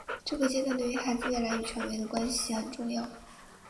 这个阶段对于孩子未来与权威的关系也很重要。